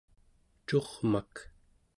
curmak